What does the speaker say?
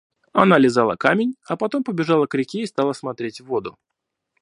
Она лизала камень, а потом побежала к реке и стала смотреть в воду.